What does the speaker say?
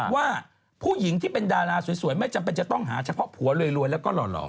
ว่าผู้หญิงที่เป็นดาราสวยไม่จำเป็นจะต้องหาเฉพาะผัวรวยแล้วก็หล่อ